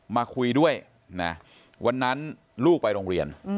มาคุยด้วยนะวันนั้นลูกไปโรงเรียน